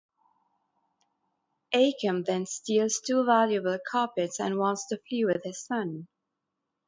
Achim then steals two valuable carpets and wants to flee with his son.